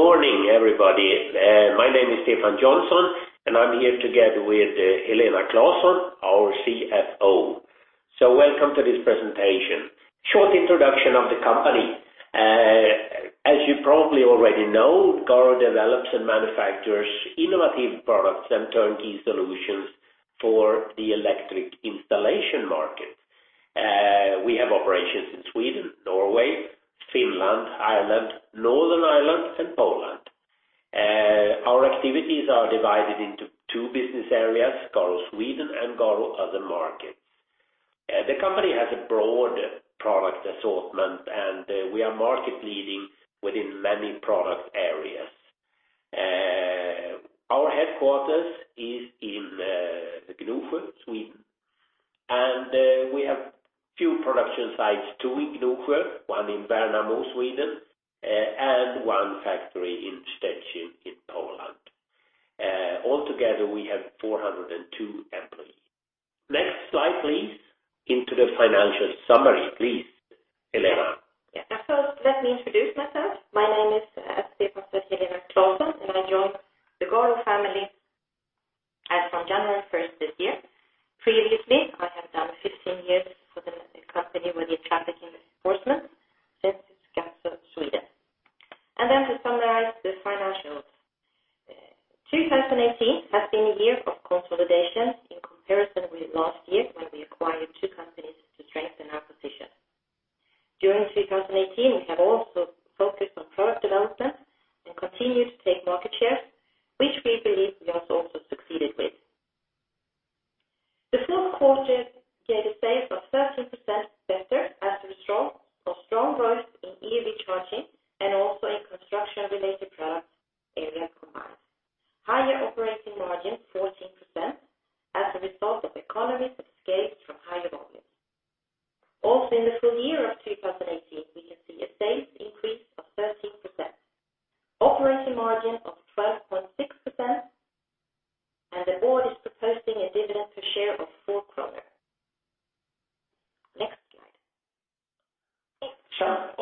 Good morning, everybody. My name is Stefan Jonsson, and I'm here together with Helena Claesson, our CFO. Welcome to this presentation. Short introduction of the company. As you probably already know, GARO develops and manufactures innovative products and turnkey solutions for the electric installation market. We have operations in Sweden, Norway, Finland, Ireland, Northern Ireland, and Poland. Our activities are divided into two business areas, GARO Sweden and GARO Other Markets. The company has a broad product assortment, and we are market leading within many product areas. Our headquarters is in Gnosjö, Sweden, and we have few production sites, two in Gnosjö, one in Värnamo, Sweden,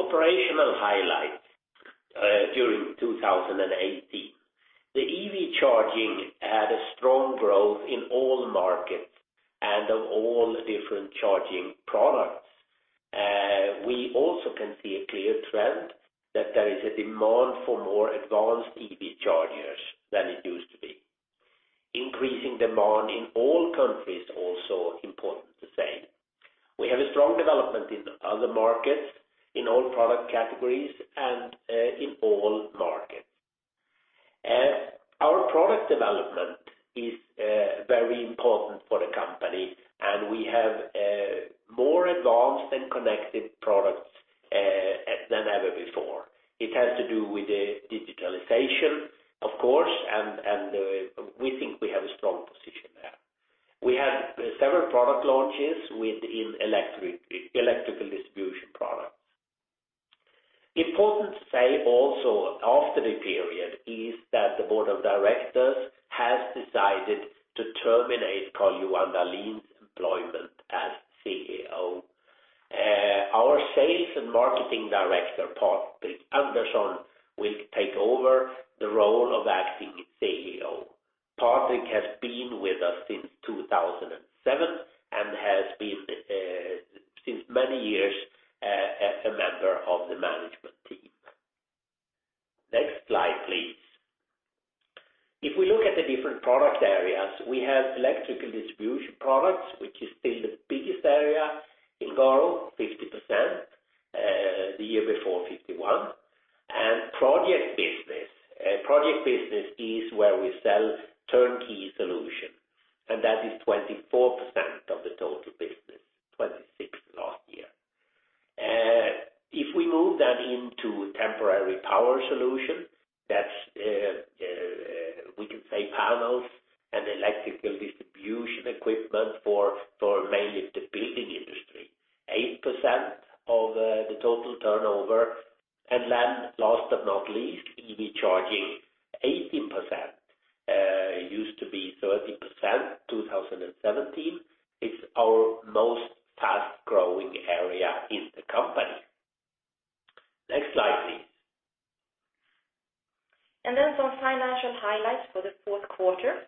operational highlights during 2018. The EV charging had a strong growth in all markets and of all different charging products. We also can see a clear trend that there is a demand for more advanced EV chargers than it used to be. Increasing demand in all countries, also important to say. We have a strong development in other markets, in all product categories, and in all markets. Our product development is very important for the company, and we have more advanced and connected products than ever before. It has to do with the digitalization, of course, and we think we have a strong position there. We had several product launches within electrical distribution products. Important to say also, after the period, is that the board of directors has decided to terminate Carl-Johan Dalin's employment as CEO. Our sales and marketing director, Patrik Andersson, will take over the role of acting CEO. Patrik has been with us since 2007 and has been since many years a member of the management team. Next slide, please. If we look at the different product areas, we have electrical distribution products, which is still the biggest area in GARO, 50%, the year before, 51%, and project business. Project business is where we sell turnkey solution, and that is 24% of the total business, 26% last year. If we move that into temporary power solution, that's, we can say panels and electrical distribution equipment for mainly the building industry, 8% of the total turnover. And then last but not least, EV charging, 18%, used to be 13%, 2017, is our most fast-growing area in the company. Next slide, please. Some financial highlights for the fourth quarter.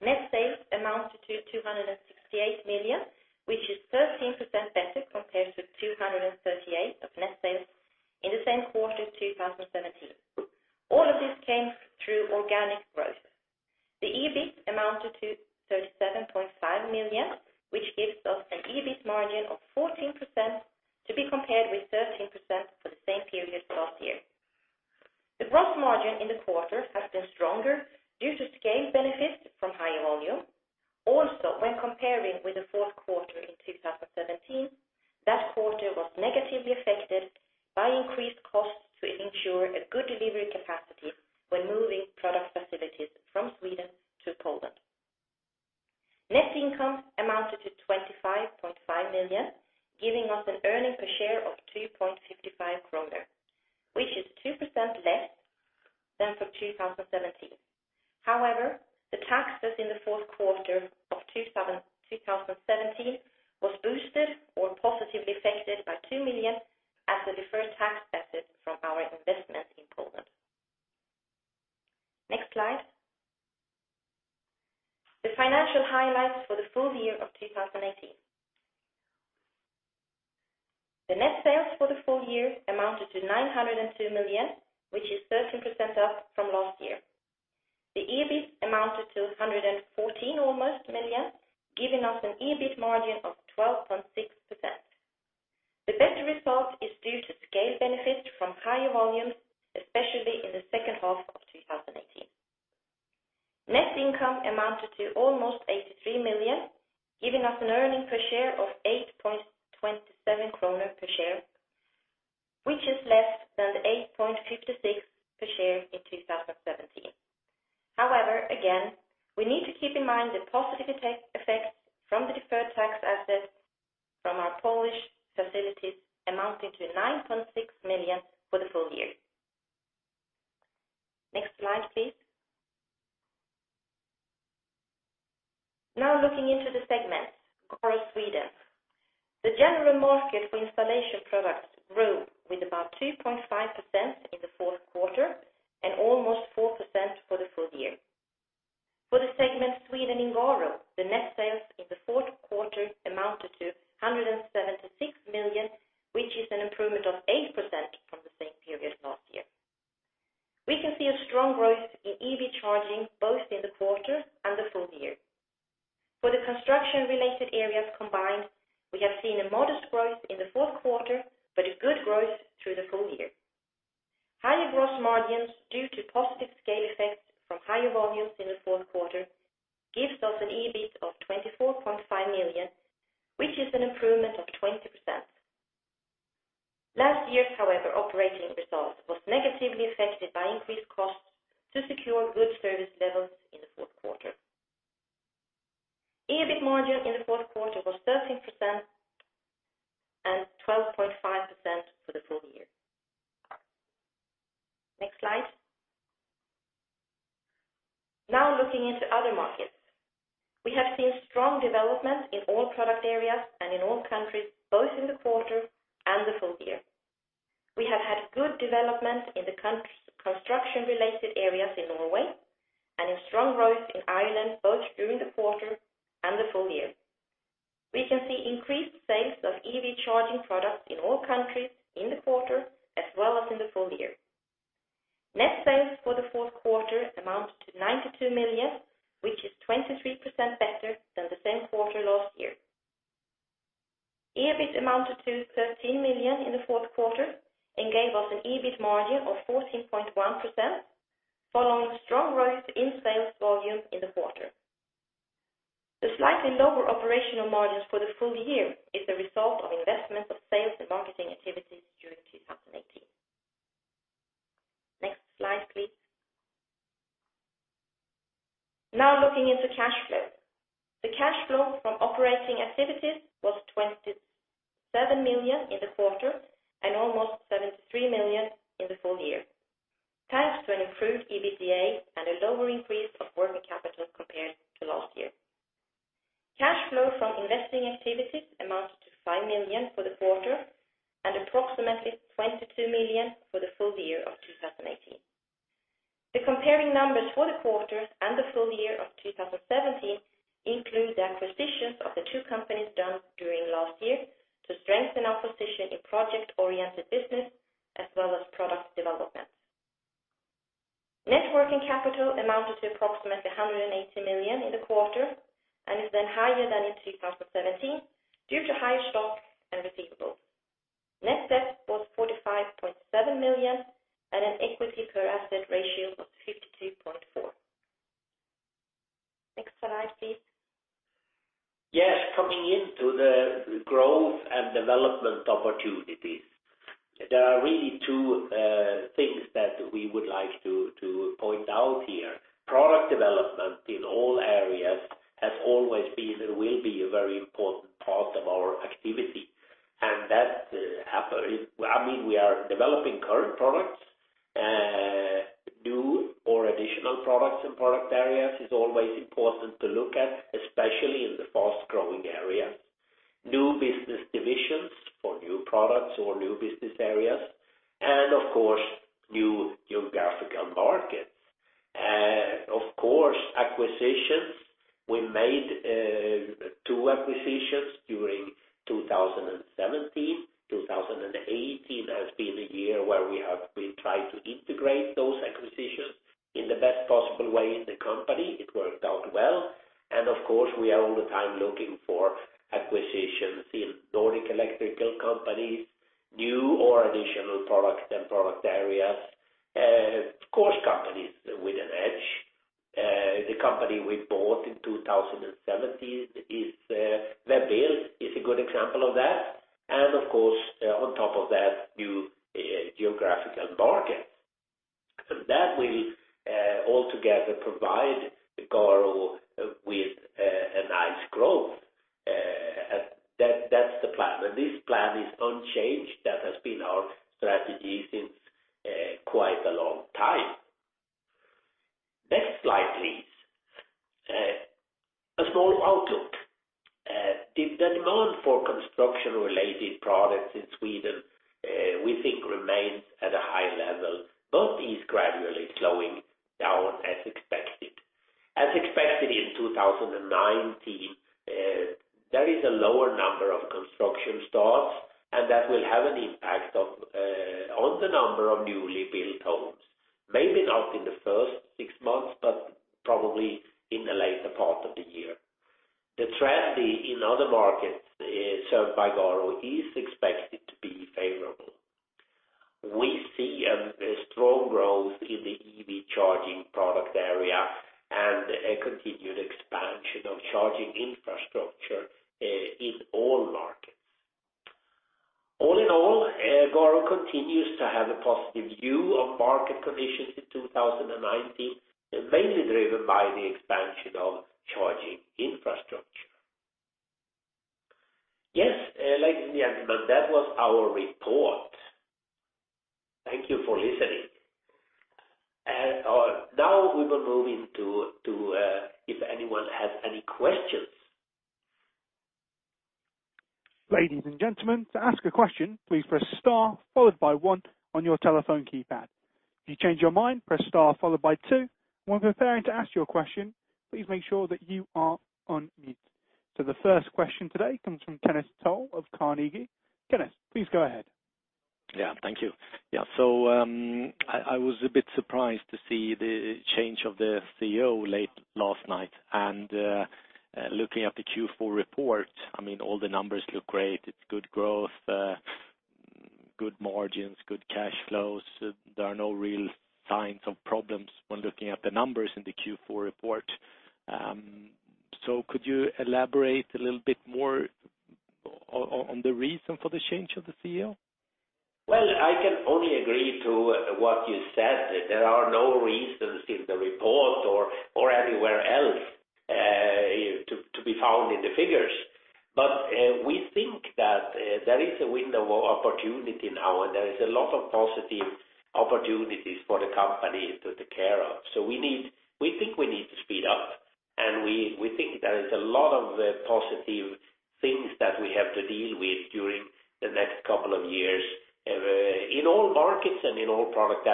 Net sales amounted to 268 million, which is 13% better compared to 238 million of net sales in the same quarter, 2017. All of this came through organic growth. The EBIT amounted to 37.5 million, which gives us an EBIT margin of 14%, to be compared with 13% for the same period last year. The gross margin in the quarter has been stronger due to scale benefits from higher volume. Also, when comparing with the fourth quarter in 2017, that quarter was negatively affected by increased costs to ensure a good delivery capacity when moving product facilities from Sweden to Poland. Net income amounted to 25.5 million, giving us an earnings per share of 2.55 kronor, which is 2% less than for 2017.... However, the tax within the fourth quarter of 2017 was boosted or positively affected by 2 million as a deferred tax benefit from our investment in Poland. Next slide. The financial highlights for the full year of 2018. The net sales for the full year amounted to 902 million, which is 13% up from last year. The EBIT amounted to almost 114 million, giving us an EBIT margin of 12.6%. The better result is due to scale benefits from higher volumes, especially in the second half of 2018. Net income amounted to almost 83 million, giving us an earnings per share of 8.27 kronor per share, which is less than the 8.56 per share in 2017. However, again, we need to keep in mind the positive effect, effects from the deferred tax assets from our Polish facilities, amounting to 9.6 million for the full year. Next slide, please. Now, looking into the segments. GARO Sweden. The general market for installation products grew with about 2.5% in the fourth quarter and almost 4% for the full year. For the segment, Sweden in GARO, the net sales in the fourth quarter amounted to 176 million, which is an improvement of 8% from the same period last year. We can see a strong growth in EV charging, both in the quarter and the full year. For the construction-related areas combined, we have seen a modest growth in the fourth quarter, but a good growth through the full year. Higher gross margins, due to positive scale effects from higher volumes in the fourth quarter, gives us an EBIT of 24.5 million, which is an improvement of 20%. Last year's, however, operating results was negatively affected by increased costs to secure good service levels in the fourth quarter. EBIT margin in the fourth quarter was 13% and 12.5% for the full year. Next slide. Now, looking into other markets. We have seen strong development in all product areas and in all countries, both in the quarter and the full year. We have had good development in the construction-related areas in Norway, and a strong growth in Ireland, both during the quarter and the full year. We can see increased sales of EV charging products in all countries in the quarter, as well as in the full year. Net sales for the fourth quarter amounted to 92 million, which is 23% better than the same quarter last year. EBIT amounted to 13 million in the fourth quarter and gave us an EBIT margin of 14.1%, following strong growth in sales volume in the quarter. The slightly lower operational margins for the full year is the result of investment of sales and marketing activities during 2018. Next slide, please. Now, looking into cash flow. The cash flow from operating activities was 27 million in the quarter and almost 73 million in the full year, thanks to an improved EBITDA and a lower increase of working capital compared to last year. Cash flow from investing activities amounted to 5 million for the quarter and approximately 22 million for the full year of 2018. The comparing numbers for the quarter and the full year of 2017 include the acquisitions of the two companies done during last year to strengthen our position in project-oriented business, as well as product development. Net working capital amounted to approximately 180 million in the quarter, and is then higher than in 2017 due to higher stock and receivables. Net debt was 45.7 million, and an equity per asset ratio of 52.4. Next slide, please. Yes, coming into the growth and development opportunities, there are really two things that we would like to point out here. Product development in all areas has always been and will be a very important part of our activity, and that, I mean, we are developing current products, new or additional products and product areas is always important to look at, especially in the fast-growing areas. New business divisions for new products or new business areas, and of course, new geographical markets. And of course, acquisitions. We made two acquisitions during 2017. 2018 has been a year where we tried to integrate those acquisitions in the best possible way in the company. It worked out well, and of course, we are all the time looking for acquisitions in Nordic electrical companies, new or additional products and product areas. Of course, companies with an edge. The company we bought in 2017 is, WEB-EL is a good example of that, and of course, on top of that, new geographical markets. So that will and that will have an impact on the number of newly built homes. Maybe not in the first six months, but probably in the later part of the year. The trend in other markets served by GARO is expected to be favorable. We see a strong growth in the EV charging product area and a continued expansion of charging infrastructure in all markets. All in all, GARO continues to have a positive view of market conditions in 2019, mainly driven by the expansion of charging infrastructure. Yes, ladies and gentlemen, that was our report. Thank you for listening. Now we will move into if anyone has any questions. Ladies and gentlemen, to ask a question, please press star followed by one on your telephone keypad. If you change your mind, press star followed by two. While preparing to ask your question, please make sure that you are on mute. So the first question today comes from Kenneth Toll of Carnegie. Kenneth, please go ahead. Yeah, thank you. Yeah, so, I was a bit surprised to see the change of the CEO late last night. Looking at the Q4 report, I mean, all the numbers look great. It's good growth, good margins, good cash flows. There are no real signs of problems when looking at the numbers in the Q4 report. So could you elaborate a little bit more on the reason for the change of the CEO? Well, I can only agree to what you said. There are no reasons in the report or anywhere else to be found in the figures. But we think that there is a window of opportunity now, and there is a lot of positive opportunities for the company to take care of. So we think we need to speed up, and we think there is a lot of positive things that we have to deal with during the next couple of years in all markets and in all product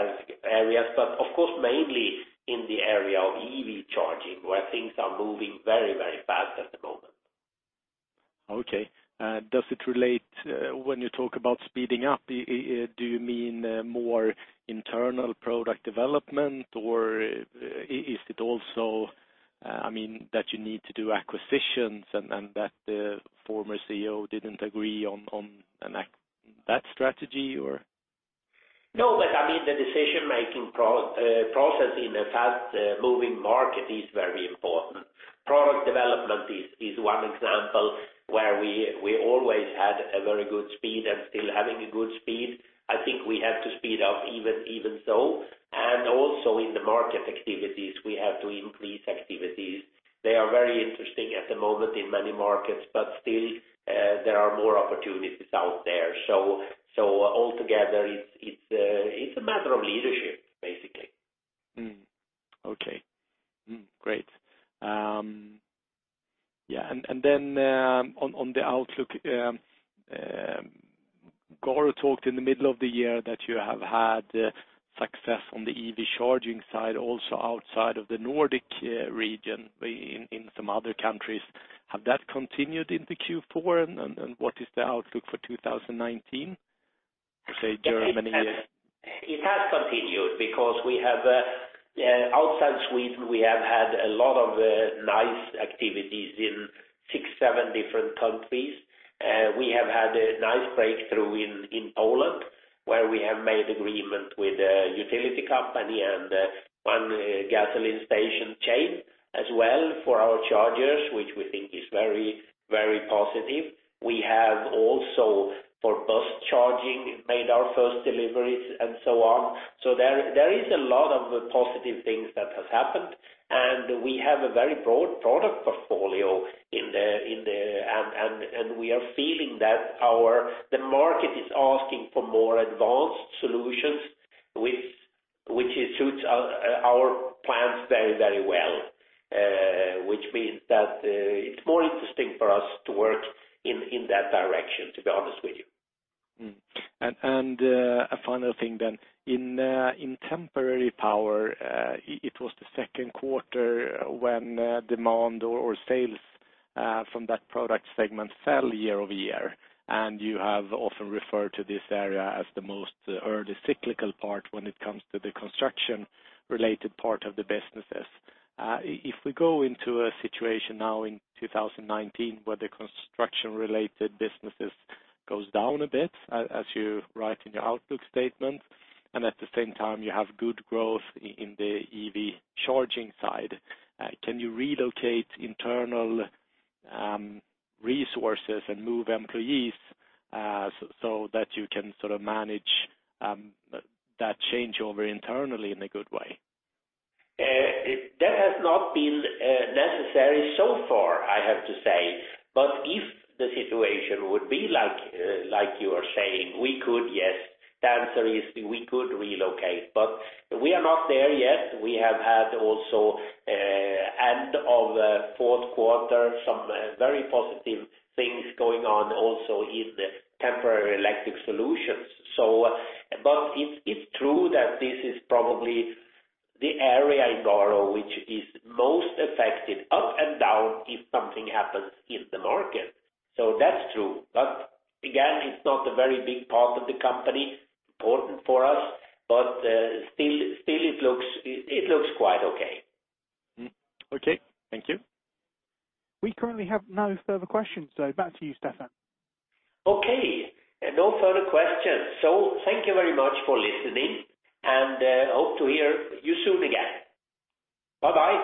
areas, but of course, mainly in the area of EV charging, where things are moving very, very fast at the moment. Okay. Does it relate, when you talk about speeding up, do you mean more internal product development, or is it also, I mean, that you need to do acquisitions and that the former CEO didn't agree on that strategy or? No, but I mean, the decision-making process in a fast moving market is very important. Product development is one example where we always had a very good speed and still having a good speed. I think we have to speed up even so, and also in the market activities, we have to increase activities. They are very interesting at the moment in many markets, but still, there are more opportunities out there. So altogether, it's a matter of leadership, basically. Great. Yeah, and then, on the outlook, GARO talked in the middle of the year that you have had success on the EV charging side, also outside of the Nordic region, in some other countries. Have that continued into Q4, and what is the outlook for 2019? Say, Germany, yeah. It has continued because we have outside Sweden, we have had a lot of nice activities in six to seven different countries. We have had a nice breakthrough in Poland, where we have made agreement with a utility company and one gasoline station chain as well for our chargers, which we think is very, very positive. We have also for bus charging made our first deliveries and so on. So there is a lot of positive things that has happened, and we have a very broad product portfolio, and we are feeling that the market is asking for more advanced solutions, which it suits our plans very, very well. Which means that it's more interesting for us to work in that direction, to be honest with you. A final thing then. In temporary power, it was the second quarter when demand or sales from that product segment fell year-over-year, and you have often referred to this area as the most early cyclical part when it comes to the construction-related part of the businesses. If we go into a situation now in 2019, where the construction-related businesses goes down a bit, as you write in your outlook statement, and at the same time, you have good growth in the EV charging side, can you relocate internal resources and move employees so that you can sort of manage that changeover internally in a good way? That has not been necessary so far, I have to say. But if the situation would be like, like you are saying, we could, yes, the answer is we could relocate, but we are not there yet. We have had also end of the fourth quarter, some very positive things going on also in the temporary electric solutions. So, but it's true that this is probably the area in GARO, which is most affected, up and down, if something happens in the market. So that's true. But again, it's not a very big part of the company. Important for us, but still, it looks quite okay. Mm. Okay, thank you. We currently have no further questions, so back to you, Stefan. Okay, no further questions. So thank you very much for listening, and hope to hear you soon again. Bye-bye.